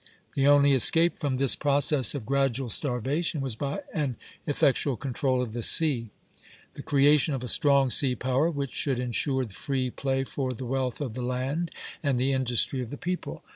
The only escape from this process of gradual starvation was by an effectual control of the sea; the creation of a strong sea power which should insure free play for the wealth of the land and the industry of the people.